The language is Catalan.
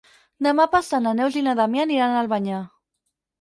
Demà passat na Neus i na Damià aniran a Albanyà.